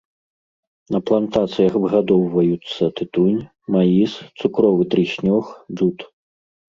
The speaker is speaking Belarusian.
На плантацыях выгадоўваюцца тытунь, маіс, цукровы трыснёг, джут.